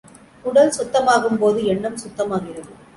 உடல் சுத்தமாகும் போது, எண்ணம் சுத்தமாகிறது.